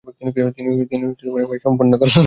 তিনি এসময় সম্পন্ন করেন।